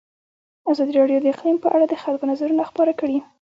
ازادي راډیو د اقلیم په اړه د خلکو نظرونه خپاره کړي.